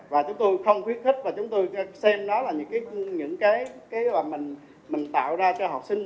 và chúng tôi không khuyến khích và chúng tôi xem đó là những cái mà mình tạo ra cho học sinh